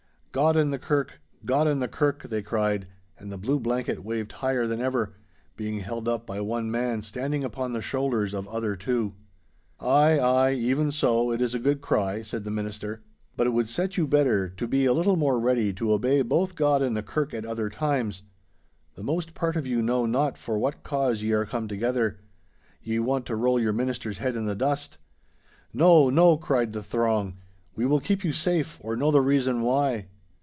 'God and the Kirk! God and the Kirk!' they cried, and the Blue Blanket waved higher than ever, being held up by one man standing upon the shoulders of other two. 'Ay, ay, even so; it is a good cry,' said the minister; 'but it would set you better to be a little more ready to obey both God and the Kirk at other times. The most part of you know not for what cause ye are come together. Ye want to roll your minister's head in the dust—' 'No, no!' cried the throng; 'we will keep you safe, or know the reason why.